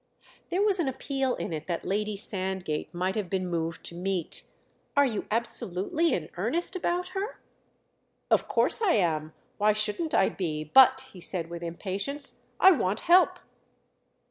There was an appeal in it that Lady Sandgate might have been moved to meet "Are you absolutely in earnest about her?" "Of course I am—why shouldn't I be? But," he said with impatience, "I want help."